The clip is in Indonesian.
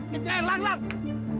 kejahat lang lang